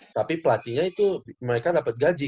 tapi pelatihnya itu mereka dapat gaji